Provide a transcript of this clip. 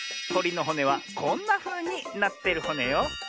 とりのほねはこんなふうになってるホネよ。